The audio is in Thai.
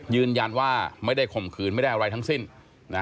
ยืนยันว่าไม่ได้ข่มขืนไม่ได้อะไรทั้งสิ้นนะ